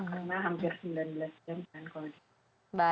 karena hampir sembilan belas jam